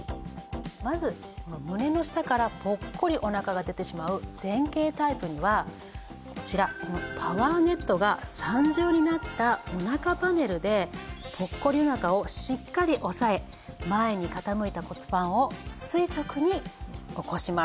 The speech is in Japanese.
まず胸の下からぽっこりお腹が出てしまう前傾タイプにはこちらこのパワーネットが３重になったお腹パネルでぽっこりお腹をしっかり押さえ前に傾いた骨盤を垂直に起こします。